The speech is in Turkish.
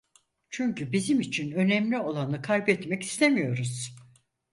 Çünkü bizim için önemli olanı kaybetmek istemiyoruz.